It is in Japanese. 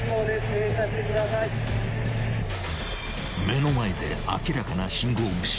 ［目の前で明らかな信号無視］